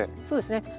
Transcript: そうですね。